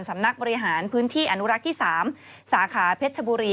สำนักบริหารพื้นที่อนุรักษ์ที่๓สาขาเพชรชบุรี